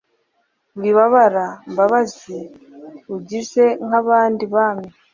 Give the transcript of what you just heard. wibabara mbabazi ugize nk'abandi bami